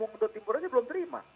mengondo timur ini belum terima